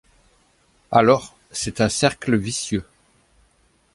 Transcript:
Alors, c’est un cercle vicieux.